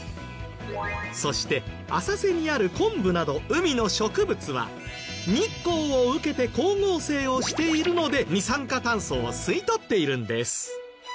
そして浅瀬にある昆布など海の植物は日光を受けて光合成をしているので二酸化炭素を吸い取っているんです。